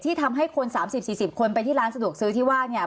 ทำให้คน๓๐๔๐คนไปที่ร้านสะดวกซื้อที่ว่าเนี่ย